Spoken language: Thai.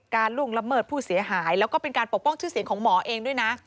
ล่วงละเมิดผู้เสียหายแล้วก็เป็นการปกป้องชื่อเสียงของหมอเองด้วยนะ